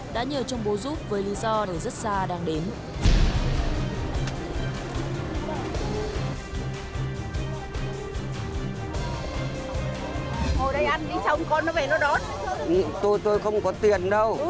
đã nhờ trong bố giúp với lý do thì rất xa đang đến